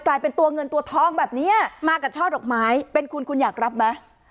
กลายเป็นตัวเงินตัวทองแบบนี้มากับช่อดอกไม้เป็นคุณคุณอยากรับไหม